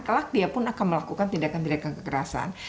kelak dia pun akan melakukan tindakan tindakan kekerasan